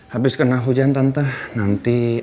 habis kena hujan tantah nanti